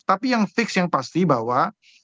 tapi yang fix yang pasti bahwa